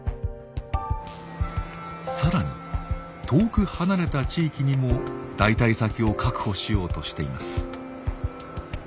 更に遠く離れた地域にも代替先を確保しようとしています。